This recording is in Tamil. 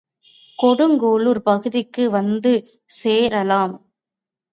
கொடுங்கோளூர் பகுதிக்கு வந்து சேரலாம்.